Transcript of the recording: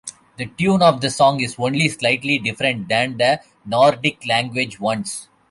The tune of the song is only slightly different than the Nordic language ones.